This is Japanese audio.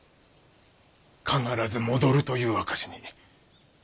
必ず戻るという証しに。